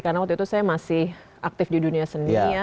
karena waktu itu saya masih aktif di dunia seni ya